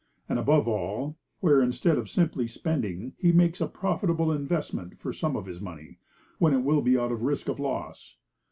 And above all, where instead of simply spending, he makes a profitable investment for some of his money, when it will be out of risk of loss.